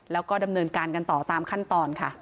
แล้วก็ดำเนินการกันต่อตามขั้นตอนค่ะ